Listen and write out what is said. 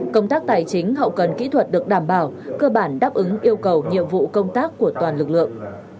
công tác tài chính hậu cần kỹ thuật được đảm bảo cơ bản đáp ứng yêu cầu nhiệm vụ công tác của toàn lực lượng